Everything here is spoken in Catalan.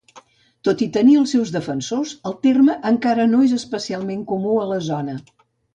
Tot i tenir els seus defensors, el terme encara no és especialment comú a la zona.